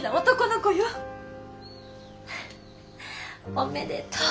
おめでとう！